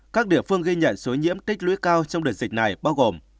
các địa phương ghi nhận số nhiễm tích lũy cao trong đợt dịch này bao gồm